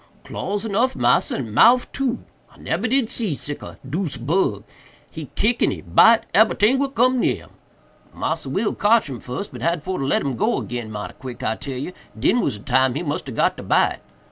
"Claws enuff, massa, and mouff too. I nebber did see sick a deuced bug—he kick and he bite ebery ting what cum near him. Massa Will cotch him fuss, but had for to let him go 'gin mighty quick, I tell you—den was de time he must ha' got de bite.